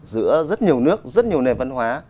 giữa rất nhiều nước rất nhiều nền văn hóa